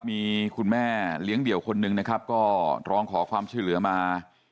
มีคุณแม่เลี้ยงเดี่ยวคนหนึ่งนะครับก็ร้องขอความช่วยเหลือมา